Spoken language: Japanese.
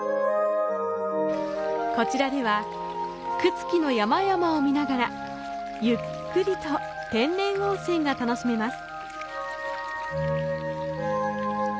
こちらでは、朽木の山々を見ながらゆっくりと天然温泉が楽しめます。